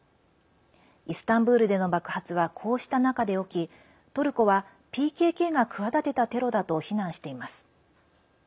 イスタンブールでの爆発はこうした中で起きトルコは、ＰＫＫが企てたテロだと非難しています。